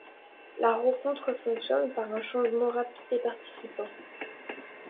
La rencontre fonctionne par un changement rapide des participants.